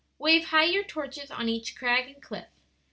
"Wave high your torches on each crag and cliff.